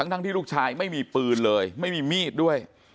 ทั้งที่ลูกชายไม่มีปืนเลยไม่มีมีดด้วย